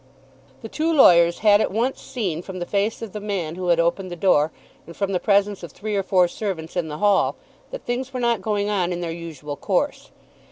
The two lawyers had at once seen, from the face of the man who had opened the door and from the presence of three or four servants in the hall, that things were not going on in their usual course.